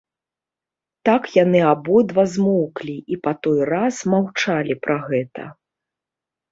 Так яны абодва змоўклі і па той раз маўчалі пра гэта.